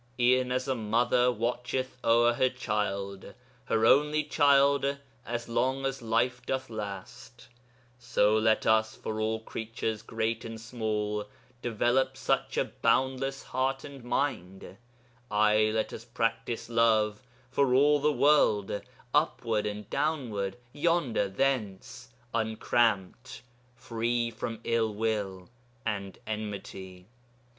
E'en as a mother watcheth o'er her child, Her only child, as long as life doth last, So let us, for all creatures great or small, Develop such a boundless heart and mind, Ay, let us practise love for all the world, Upward and downward, yonder, thence, Uncramped, free from ill will and enmity.